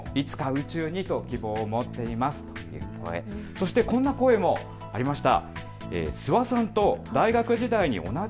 そしてこんな声もありました。